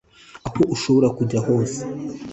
aho ushobora kujya hose